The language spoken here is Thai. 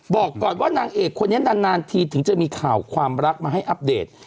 บอกก่อนว่านางเอกคนนี้นานทีถึงจะมีข่าวความรักมาให้อัปเดต